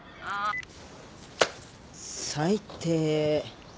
最低。